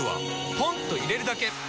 ポンと入れるだけ！